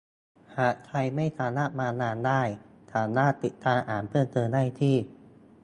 หากใครไม่สามารถมางานได้สามารถติดตามอ่านเพิ่มเติมได้ที่